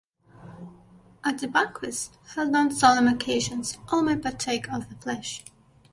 At the banquets held on solemn occasions all may partake of the flesh.